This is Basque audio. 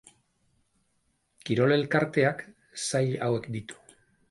Kirol Elkarteak sail hauek ditu.